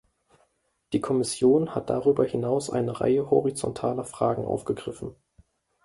Die Kommission hat darüber hinaus eine Reihe horizontaler Fragen aufgegriffen.